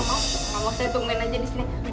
mama saya tungguin aja di sini